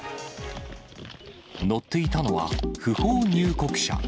乗っていたのは不法入国者。